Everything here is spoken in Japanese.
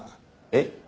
えっ？